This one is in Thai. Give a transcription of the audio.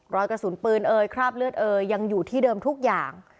รอยกระสุนปืนเอ่ยคราบเลือดเอยยังอยู่ที่เดิมทุกอย่าง